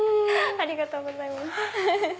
ありがとうございます。